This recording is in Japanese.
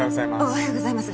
おはようございます。